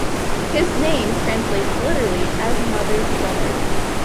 His name translates literally as mother's brother.